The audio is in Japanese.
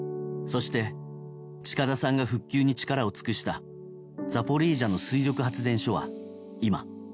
そして、近田さんが復旧に力を尽くしたザポリージャの水力発電所は今。